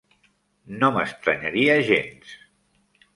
No m'estranyaria gens.